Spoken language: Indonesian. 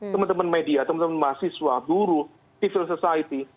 teman teman media teman teman mahasiswa buruh civil society